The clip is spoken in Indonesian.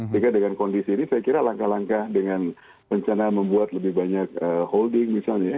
jadi dengan kondisi ini saya kira langkah langkah dengan rencana membuat lebih banyak holding misalnya ya